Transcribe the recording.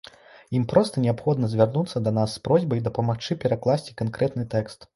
Ім проста неабходна звярнуцца да нас з просьбай дапамагчы перакласці канкрэтны тэкст.